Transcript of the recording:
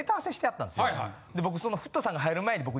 僕フットさんが入る前に僕。